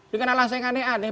dengan alasan yang aneh aneh